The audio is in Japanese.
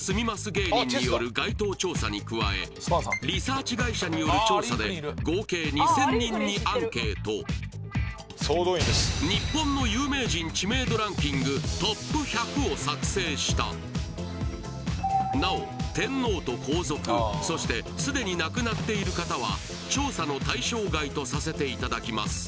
芸人による街頭調査に加えリサーチ会社による調査で合計２０００人にアンケートを作成したなお天皇と皇族そしてすでに亡くなっている方は調査の対象外とさせていただきます